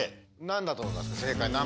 何だと思いますか？